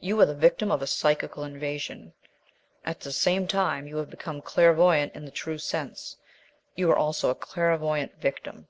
You are the victim of a psychical invasion. At the same time, you have become clairvoyant in the true sense. You are also a clairvoyant victim."